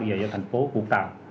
giờ cho thành phố vũng tàu